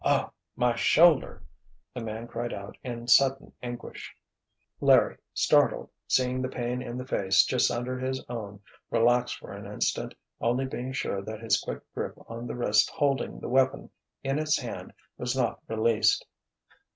"Oh—my shoulder!" the man cried out in sudden anguish. Larry, startled, seeing the pain in the face just under his own, relaxed for an instant, only being sure that his quick grip on the wrist holding the weapon in its hand was not released.